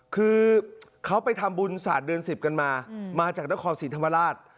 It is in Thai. คือเขาไปทำบุญศาสตร์เดือน๑๐กันมามาจากนครศรีธรรมราช